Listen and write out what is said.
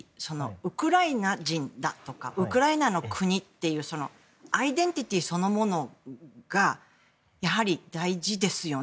ウクライナ人だとかウクライナの国っていうアイデンティティーそのものがやはり大事ですよね？